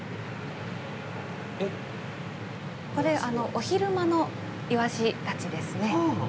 これ、昼間のイワシたちですね。